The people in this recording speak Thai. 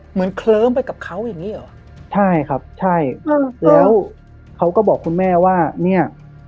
เคลิ้มไปกับเขาอย่างงี้เหรอใช่ครับใช่แล้วเขาก็บอกคุณแม่ว่าเนี่ย